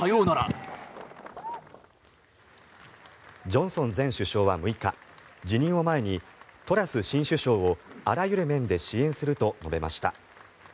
ジョンソン前首相は６日辞任を前にトラス新首相をあらゆる面で支援すると述べました。